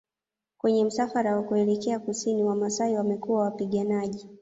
Kwenye msafara wa kuelekea Kusini Wamasai wamekuwa Wapiganaji